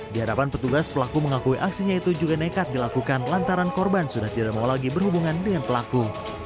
di hadapan petugas pelaku mengakui aksinya itu juga nekat dilakukan lantaran korban sudah tidak mau lagi berhubungan dengan pelaku